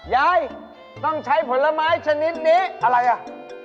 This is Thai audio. ยายต้องใช้ผลไม้ชนิดนี้อะไรอ่ะ